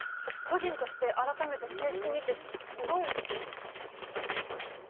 個人として改めて正式にってどういうこと？